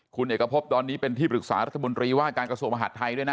คุณเอกพบตอนนี้เป็นที่ปรึกษารัฐมนตรีว่าการกระทรวงมหาดไทยด้วยนะ